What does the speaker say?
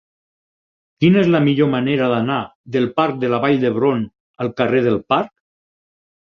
Quina és la millor manera d'anar del parc de la Vall d'Hebron al carrer del Parc?